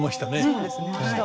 そうですね。